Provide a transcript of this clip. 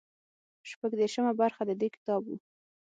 شپږ دېرشمه برخه د دې کتاب وو.